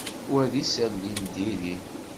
Wa d isali n diri.